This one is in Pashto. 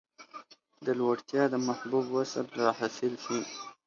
د لوړتیا د محبوب وصل را حاصل سي.!